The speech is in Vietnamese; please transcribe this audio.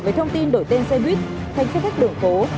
với thông tin đổi tên xe buýt thành xe khách đường phố